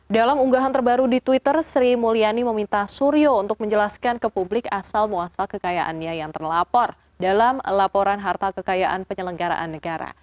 dalam unggahan terbaru di twitter sri mulyani meminta suryo untuk menjelaskan ke publik asal muasal kekayaannya yang terlapor dalam laporan harta kekayaan penyelenggaraan negara